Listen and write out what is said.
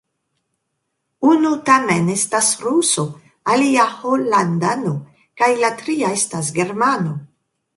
Unu tamen estas ruso, alia holandano kaj la tria estas germano.